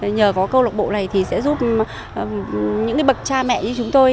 nhờ có câu lạc bộ này thì sẽ giúp những bậc cha mẹ như chúng tôi